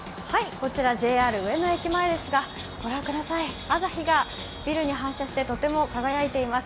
こちらＪＲ上野駅前ですが、御覧ください、朝日がビルに反射して、とても輝いています。